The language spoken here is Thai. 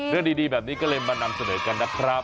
เรื่องดีแบบนี้ก็เลยมานำเสนอกันนะครับ